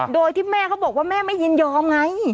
โดยที่แม่เขาบอกว่าแม่ไม่ยินยอมไง